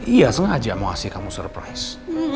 iya sengaja mau kasih kamu surprise